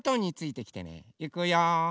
いくよ。